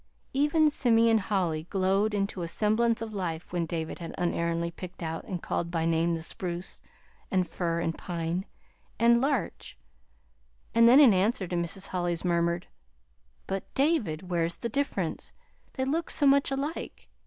Even Simeon Holly glowed into a semblance of life when David had unerringly picked out and called by name the spruce, and fir, and pine, and larch, and then, in answer to Mrs. Holly's murmured: "But, David, where's the difference? They look so much alike!"